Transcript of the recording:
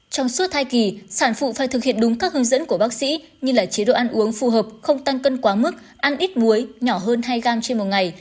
trong suốt thai kỳ sản phụ phải thực hiện đúng các hướng dẫn của bác sĩ như chế độ ăn uống phù hợp không tăng cân quá mức ăn ít muối nhỏ hơn hai g trên một ngày